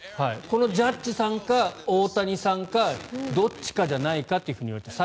このジャッジさんか大谷さんかどっちかじゃないかといわれている。